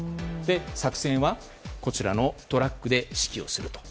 作戦はこちらのトラックで指揮をすると。